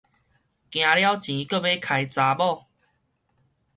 驚了錢閣欲開查某